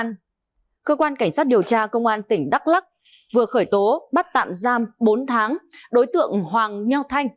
thưa quý vị cơ quan cảnh sát điều tra công an tỉnh đắk lắc vừa khởi tố bắt tạm giam bốn tháng đối tượng hoàng nho thanh